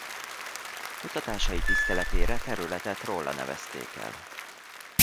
Kutatásai tiszteletére területet róla nevezték el.